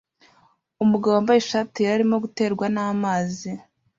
Umugabo wambaye ishati yera arimo guterwa namazi